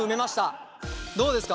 どうですか？